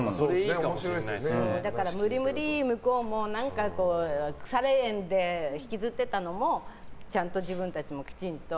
無理無理、向こうも腐れ縁で引きずってたのもちゃんと自分たちも、きちんと。